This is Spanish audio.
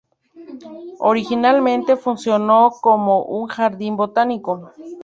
Originalmente funcionó como un jardín botánico.